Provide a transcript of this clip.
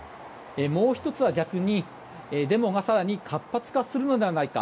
もう１つは、逆にデモが更に活発化するのではないか。